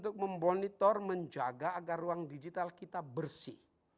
kontrol menjaga agar ruang digital kita bersih